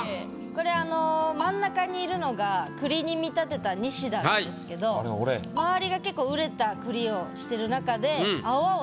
これあの真ん中にいるのが栗に見立てたニシダなんですけど周りが結構熟れた栗をしてる中で。